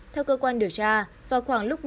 theo cơ quan điều tra vào khoảng hai năm